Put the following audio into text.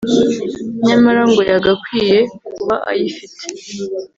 nyamara ngo yagakwiye kuba ayifite